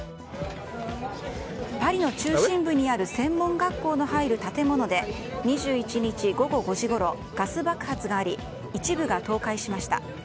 パリの中心部にある専門学校の入る建物で２１日午後５時ごろガス爆発があり一部が倒壊しました。